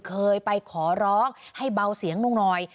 เคยไปขอร้องให้เบาเสียงลงหน่อย